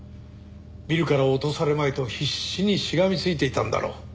ビルから落とされまいと必死にしがみついていたんだろう。